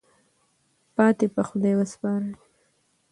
پاتې په خدای سپارئ.